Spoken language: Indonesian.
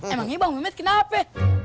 emangnya bang mehmet kenapa